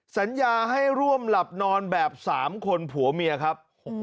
สัญญาให้ร่วมหลับนอนแบบ๓คนผัวเมียครับ